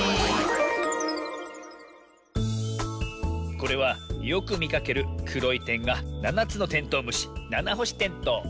これはよくみかけるくろいてんが７つのテントウムシナナホシテントウ。